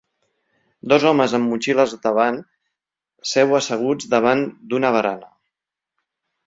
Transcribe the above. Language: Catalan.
Dos homes amb motxilles davant seu asseguts davant d'una barana.